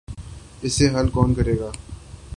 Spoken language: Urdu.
اسے حل کون کرے گا؟